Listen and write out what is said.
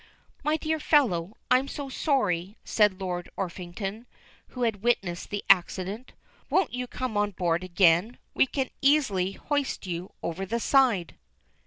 "My dear fellow, I am so sorry," said Lord Orpington, who had witnessed the accident. "Won't you come on board again? We can easily hoist you over the side."